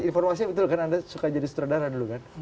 informasi itu kan anda suka jadi sutradara dulu kan